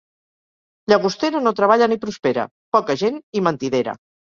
Llagostera no treballa ni prospera: poca gent i mentidera.